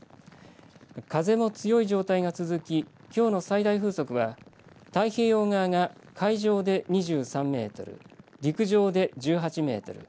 風も強い状態が続ききょうの最大風速は、太平洋側が海上で２３メートル陸上で１８メートル